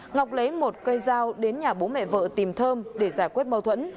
ngọc lấy một cây dao đến nhà bố mẹ vợ tìm thơm để giải quyết mâu thuẫn